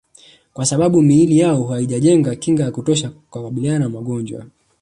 Kwa sababu miili yao haijajenga kinga ya kutosha kukabiliana na magonjwa